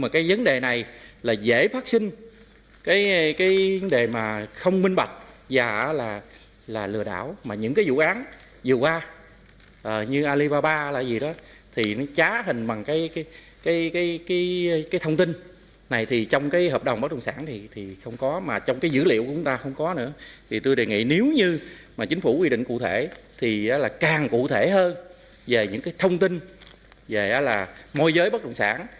cũng như chính phủ quy định cụ thể thì càng cụ thể hơn về những thông tin về môi giới bất động sản